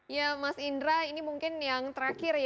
ya mas indra ini mungkin yang terakhir ya